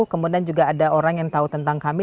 kemudian juga ada orang yang tahu tentang kami